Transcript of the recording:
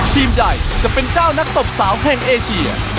ทีมใหญ่จะเป็นเจ้านักตบสาวแห่งเอเชีย